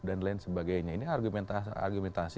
dan lain sebagainya ini argumentasi